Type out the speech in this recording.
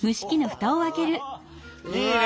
おいいね！